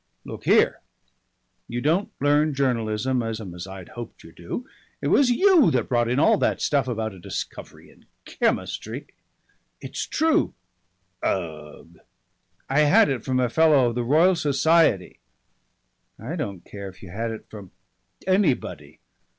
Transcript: Look here! you don't learn journalism as I hoped you'd do. It was you what brought in all that stuff about a discovery in chemistry " "It's true." "Ugh!" "I had it from a Fellow of the Royal Society " "I don't care if you had it from anybody.